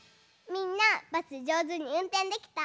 みんなバスじょうずにうんてんできた？